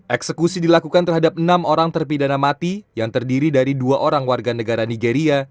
eksekusi dilakukan terhadap enam orang terpidana mati yang terdiri dari dua orang warga negara nigeria